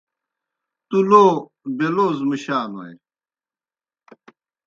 تُو لو بے لوظ مُشانوئے۔